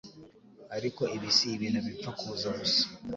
ariko ibi si ibintu bipfa kuza gusa